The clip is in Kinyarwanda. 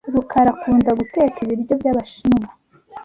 rukaraakunda guteka ibiryo byabashinwa.